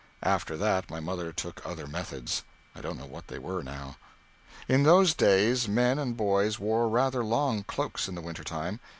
After that my mother took other methods. I don't know what they were now. In those days men and boys wore rather long cloaks in the winter time.